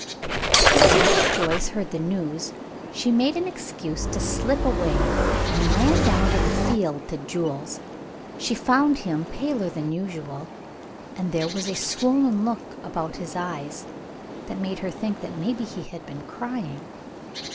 As soon as Joyce heard the news she made an excuse to slip away, and ran down to the field to Jules. She found him paler than usual, and there was a swollen look about his eyes that made her think that maybe he had been crying.